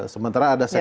sementara ada sektor